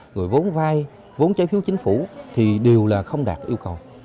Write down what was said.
rồi vốn vai vốn trái phiếu chính phủ thì đều là không đạt yêu cầu